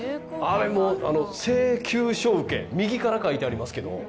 あれも「請求書受」右から書いてありますけど。